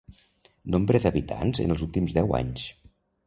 Nombre d'habitants en els últims deu anys.